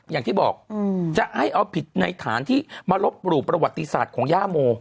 อย่างที่บอกจะให้เอาผิดในฐานที่มาลบหลู่ประวัติศาสตร์ของย่าโม